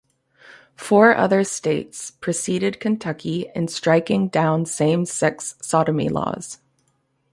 Four other states preceded Kentucky in striking down same-sex sodomy laws.